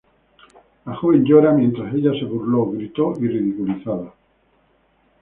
La joven llora mientras ella se burló, gritó, y ridiculizada.